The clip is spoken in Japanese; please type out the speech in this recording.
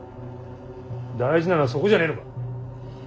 大事なのはそこじゃねえのか。